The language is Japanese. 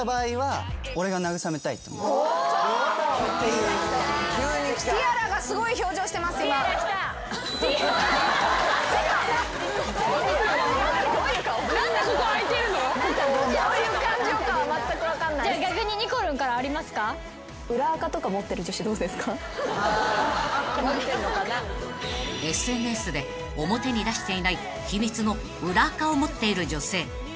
［ＳＮＳで表に出していない秘密の裏アカを持っている女性苦手ですか？］